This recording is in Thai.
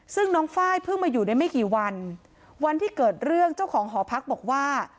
ซึ่งน้องไฟล์เพิ่งมาอยู่ได้ไม่กี่วันวันที่เกิดเรื่องเจ้าของหอพักบอกว่า